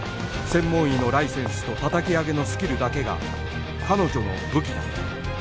専門医のライセンスと叩き上げのスキルだけが彼女の武器だ